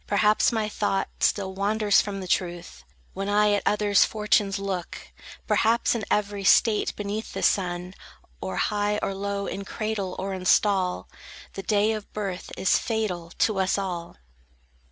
Perhaps my thought still wanders from the truth, When I at others' fortunes look: Perhaps in every state beneath the sun, Or high, or low, in cradle or in stall, The day of birth is fatal to us all.